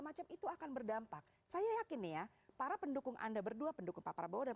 macam itu akan berdampak saya yakin ya para pendukung anda berdua pendukung pak prabowo dan